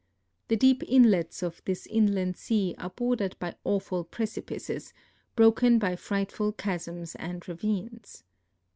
The deep inlets of this inland sea are bordered by awful precipices, broken b}' frightful chasms and ravines.